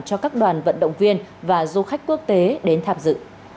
cho các đoàn vận động viên và du khách quốc tế đến tham dự